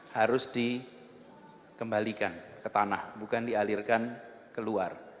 harus dikembalikan ke tanah bukan dialirkan ke luar